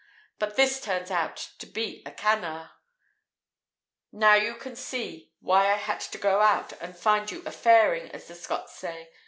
But this turns out to be a canard. Now you see why I had to go out and find you a 'fairing' as the Scots say.